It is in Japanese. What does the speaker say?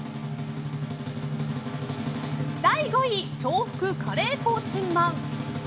第５位、招福カレーコーチンまん。